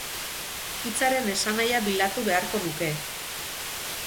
Hitzaren esanahia bilatu beharko nuke.